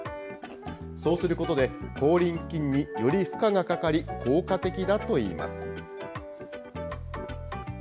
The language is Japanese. そうすることで、口輪筋により負荷がかかり、効果的だといいます。